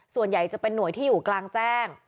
ส่วนใหญ่จะเป็นหน่วยที่อยู่กลางแจ้ง